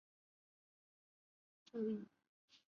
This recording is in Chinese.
这对于汉人中原文化传入交州有很大的助益。